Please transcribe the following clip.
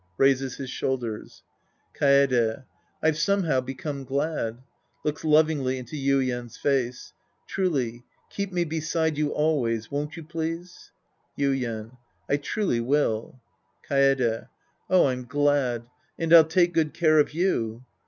{Raises his shoulders^ Kaede. I've somehow become glad. {Looks loving ly into Yuien's face^ Truly, keep me beside you always, won't you, please. Yuien. I truly will. Kaede. Oh, I'm glad. And I'll take good care of you.